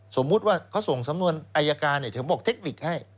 สมมุติว่าเขาส่งสำนวนอายการถึงบอกเทคนิคให้